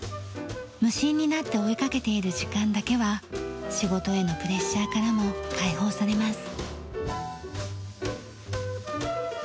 無心になって追いかけている時間だけは仕事へのプレッシャーからも解放されます。